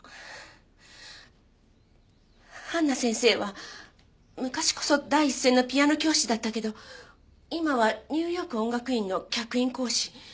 ハンナ先生は昔こそ第一線のピアノ教師だったけど今はニューヨーク音楽院の客員講師。